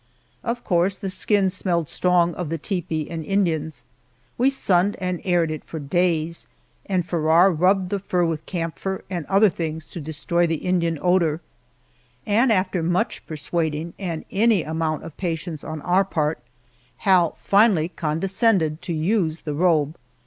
Of course the skin smelled strong of the tepee and Indians. We sunned and aired it for days, and Farrar rubbed the fur with camphor and other things to destroy the Indian odor, and after much persuading and any amount of patience on our part, Hal finally condescended to use the robe.